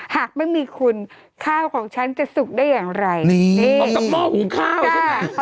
หากไม่มีคุณข้าวของฉันจะสุกได้อย่างไรนี่เอากระม่อหูข้าวใช่ไหมใช่